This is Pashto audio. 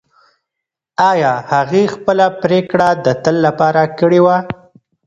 ایا هغې خپله پرېکړه د تل لپاره کړې وه؟